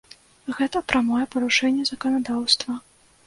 Гэта прамое парушэнне заканадаўства!